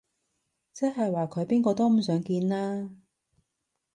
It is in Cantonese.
即係話佢邊個都唔想見啦